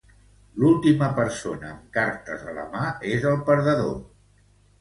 L'última persona amb cartes a la mà és el perdedor.